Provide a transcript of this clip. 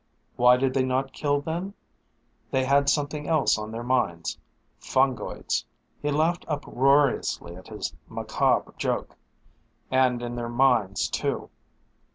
"Why did they not kill then? They had something else on their minds fungoids!" He laughed uproariously at his macabre joke. "And in their minds too!"